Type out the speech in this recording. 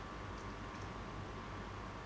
ก็ต้องทำอย่างที่บอกว่าช่องคุณวิชากำลังทำอยู่นั่นนะครับ